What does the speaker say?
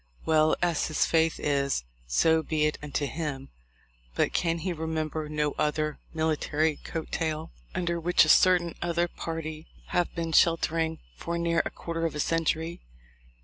Well, as his faith is, so be it unto him. But can he remember no other military coat tail, 28S THE LIFE OF LINCOLN. under which a certain other party have been shelter ing for near a quarter of a century?